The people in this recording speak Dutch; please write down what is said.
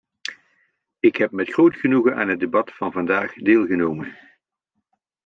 Ik heb met groot genoegen aan het debat van vandaag deelgenomen.